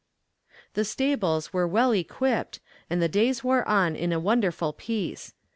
The stables were well equipped and the days wore on in a wonderful peace.